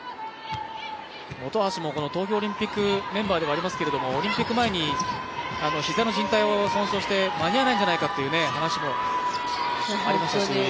本橋も東京オリンピックメンバーではありますけどオリンピック前に膝のじん帯を損傷して間に合わないんじゃないかという話もありましたし。